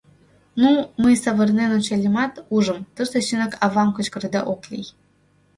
Ну, мый, савырнен ончальымат, ужым — тыште чынак «авам» кычкырыде ок лий.